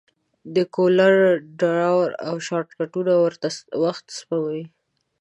د کولر ډراو شارټکټونه وخت سپموي.